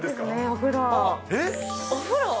お風呂？